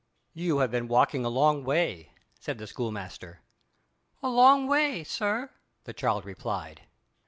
"You have been walking a long way," said the schoolmaster. "A long way, sir," the child replied.